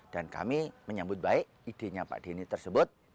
dan kami menyambut baik idenya pak denny tersebut